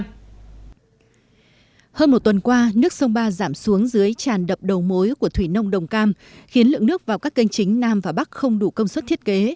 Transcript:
hơn một tuần qua nước sông ba giảm xuống dưới tràn đập đầu mối của thủy nông đồng cam khiến lượng nước vào các kênh chính nam và bắc không đủ công suất thiết kế